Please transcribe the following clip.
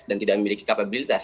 dan tidak memiliki kapabilitas